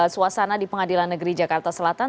suasana di pengadilan negeri jakarta selatan